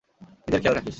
নিজের খেয়াল রাখিস।